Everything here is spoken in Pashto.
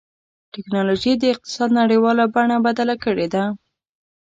ټکنالوجي د اقتصاد نړیواله بڼه بدله کړې ده.